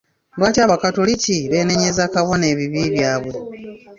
Lwaki abakatoliki beenenyeza Kabona ebibi byabwe?